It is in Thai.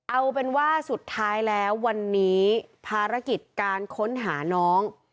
เอาเป็นว่าสุดท้ายแล้ววันนี้ภารกิจการค้นหาน้อง